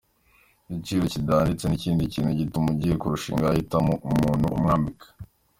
Igiciro kidahanitse ni ikindi kintu gituma ugiye kurushinga ahitamo umuntu umwambika.